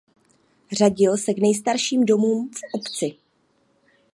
Řadil se k nejstarším domům v obci.